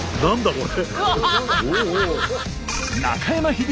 これ。